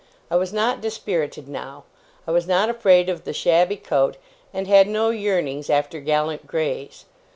I was not dispirited now. I was not afraid of the shabby coat, and had no yearnings after gallant greys.